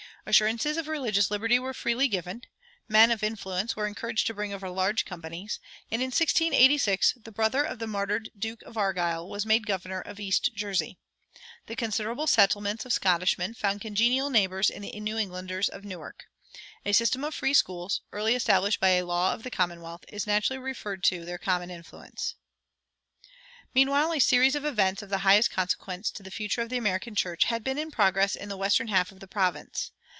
Assurances of religious liberty were freely given; men of influence were encouraged to bring over large companies; and in 1686 the brother of the martyred Duke of Argyle was made governor of East Jersey. The considerable settlements of Scotchmen found congenial neighbors in the New Englanders of Newark. A system of free schools, early established by a law of the commonwealth, is naturally referred to their common influence. Meanwhile a series of events of the highest consequence to the future of the American church had been in progress in the western half of the province.